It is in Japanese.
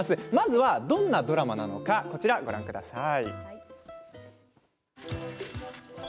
まずはどんなドラマかご覧ください。